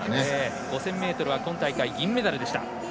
５０００ｍは今大会銀メダルでした。